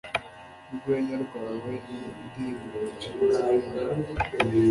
Urwenya rwawe ni indirimbo yacitse